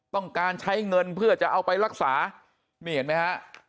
ต้องการใช้เงินเพื่อจะเอาไปรักษานี่เห็นไหมฮะ